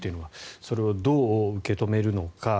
それをどう受け止めるのか。